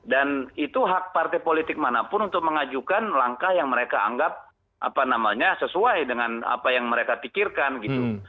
dan itu hak partai politik manapun untuk mengajukan langkah yang mereka anggap sesuai dengan apa yang mereka pikirkan gitu